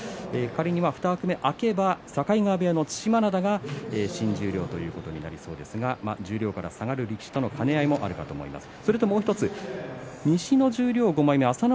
仮に２枠目、空けば境川部屋の對馬洋が新十両ということになりますが十両から下がる力士との兼ね合いになります。